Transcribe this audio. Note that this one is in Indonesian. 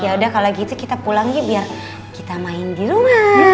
yaudah kalau gitu kita pulang ya biar kita main di rumah